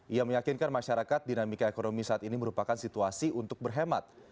ia meyakinkan masyarakat dinamika ekonomi saat ini merupakan situasi untuk berhemat